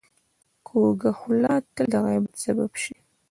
کوږه خوله تل د غیبت سبب شي